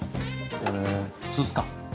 ふんそうっすか。